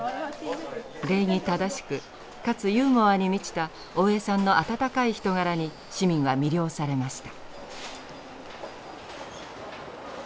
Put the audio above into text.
礼儀正しくかつユーモアに満ちた大江さんの温かい人柄に市民は魅了されました。